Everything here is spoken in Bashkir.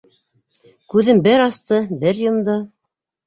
Күҙен бер асты, бер йомдо.